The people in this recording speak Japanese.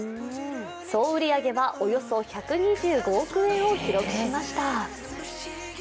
総売り上げはおよそ１２５億円を記録しました。